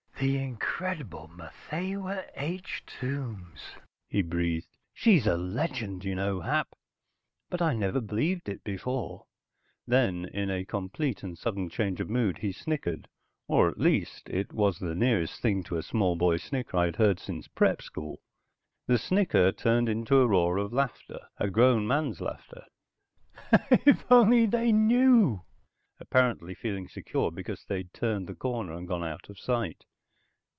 "The incredible Matthewa H. Tombs!" he breathed. "She's a legend, you know, Hap. But I never believed it before." Then, in a complete and sudden change of mood he snickered. Or, at least, it was the nearest thing to a small boy snicker I'd heard since prep school. The snicker turned into a roar of laughter, a grown man's laughter. "If they only knew!" he shouted, apparently feeling secure because they'd turned the corner and gone out of sight.